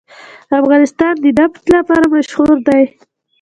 افغانستان د نفت لپاره مشهور دی.